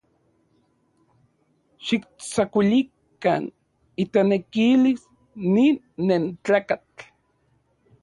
Xiktsakuilikan itanekilis nin nentlakatl.